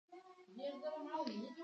ایا شکر به چیک کوئ؟